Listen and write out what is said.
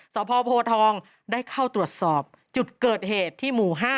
สพโพทองได้เข้าตรวจสอบจุดเกิดเหตุที่หมู่๕